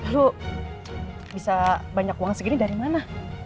lu bisa banyak uang segini dari mana